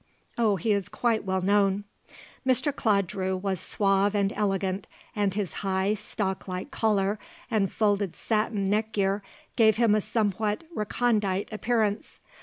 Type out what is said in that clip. Oh, he is quite well known." Mr. Claude Drew was suave and elegant, and his high, stock like collar and folded satin neck gear gave him a somewhat recondite appearance.